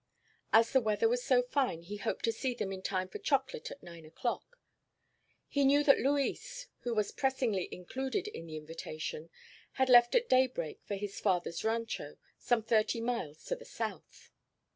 As the weather was so fine, he hoped to see them in time for chocolate at nine o'clock. He knew that Luis, who was pressingly included in the invitation, had left at daybreak for his father's rancho, some thirty miles to the south.